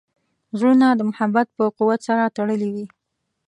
زړونه د محبت په قوت سره تړلي وي.